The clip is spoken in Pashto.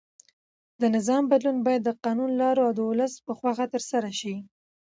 د نظام بدلون باید د قانوني لارو او د ولس په خوښه ترسره شي.